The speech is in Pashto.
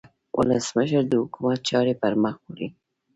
ولسمشر د حکومت چارې پرمخ وړي.